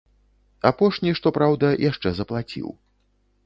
Апошні, што праўда, яшчэ заплаціў.